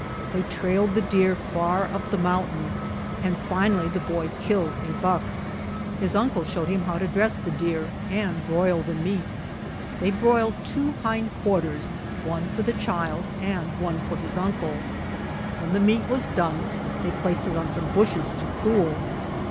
They trailed the deer far up the mountain and finally the boy killed a buck. His uncle showed him how to dress the deer and broil the meat. They broiled two hind quarters, one for the child and one for his uncle. When the meat was done they placed it on some bushes to cool.